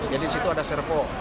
jadi di situ ada servo